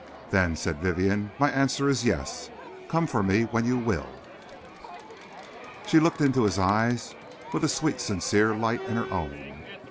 "Then," said Vivienne, "my answer is 'yes.' Come for me when you will." She looked into his eyes with a sweet, sincere light in her own.